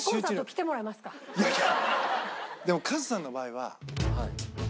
いやいや。